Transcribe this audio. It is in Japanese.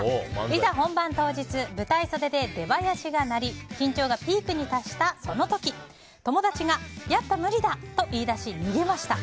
いざ本番当日舞台袖で出囃子が鳴り緊張がピークに達したその時友達がやっぱ無理だと言い出し逃げました。